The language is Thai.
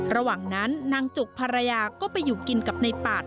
ระหว่างนั้นนางจุกภรรยาก็ไปอยู่กินกับในปาด